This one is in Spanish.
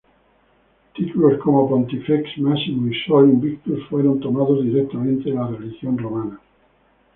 Títulos como Pontifex Maximus y Sol Invictus fueron tomados directamente de la religión romana.